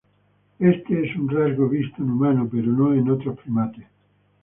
Este es un rasgo visto en humano, pero no en otros primates.